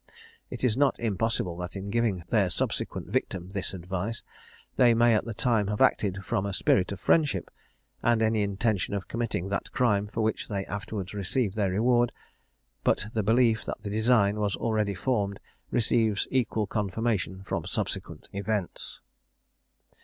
It is not impossible that in giving their subsequent victim this advice, they may at the time have acted from a spirit of friendship, and without any intention of committing that crime for which they afterwards received their reward; but the belief that the design was already formed receives equal confirmation from subsequent events.